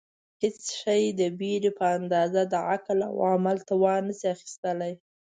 هېڅ شی د بېرې په اندازه د عقل او عمل توان نشي اخیستلای.